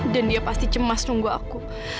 dan dia pasti cemas nunggu aku